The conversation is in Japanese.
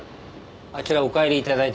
あちらお帰りいただいて。